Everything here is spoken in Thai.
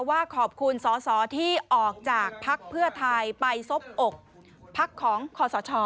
ว่าขอบคุณสอสอที่ออกจากพักเพื่อไทยไปซบอกพักของคอสช